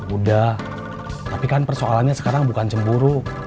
udah tapi kan persoalannya sekarang bukan cemburu